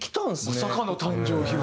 まさかの誕生秘話。